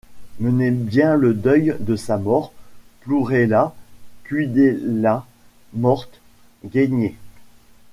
Menez bien le deuil de sa mort, plourez-la, cuydez-la morte, geignez.